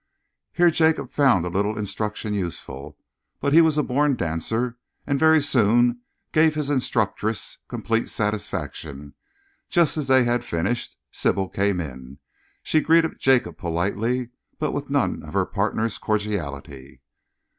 Here Jacob found a little instruction useful, but he was a born dancer and very soon gave his instructress complete satisfaction. Just as they had finished, Sybil came in. She greeted Jacob politely, but with none of her partner's cordiality.